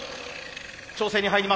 調整に入ります。